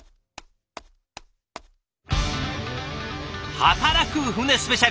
働く船スペシャル。